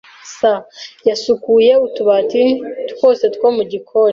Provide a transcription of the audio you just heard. [S] Yasukuye utubati twose two mu gikoni.